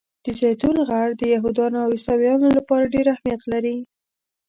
د زیتون غر د یهودانو او عیسویانو لپاره ډېر اهمیت لري.